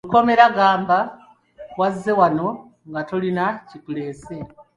Lukomera gamba wazze wano nga tolina kikuleese?